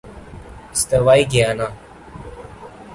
استوائی Guyana